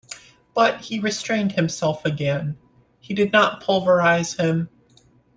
But he restrained himself again — he did not pulverise him.